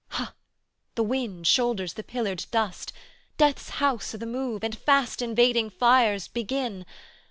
Ha! The wind Shoulders the pillared dust, death's house o' the move, And fast invading fires begin!